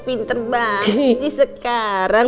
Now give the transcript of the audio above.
pinter banget sih sekarang